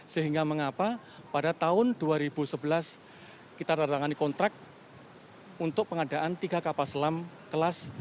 sehingga mengapa pada tahun dua ribu sebelas kita terangkan kontrak untuk pengadaan tiga kapal selam kelas dua ratus sembilan seribu empat ratus